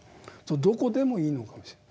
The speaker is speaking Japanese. どこでもいいのかもしれない。